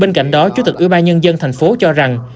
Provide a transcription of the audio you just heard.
bên cạnh đó chủ tịch ủy ban nhân dân tp hcm cho rằng